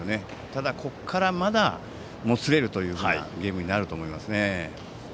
ただ、ここからまだもつれるゲームになると思います。